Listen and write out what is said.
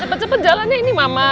cepet cepet jalannya ini mama tuh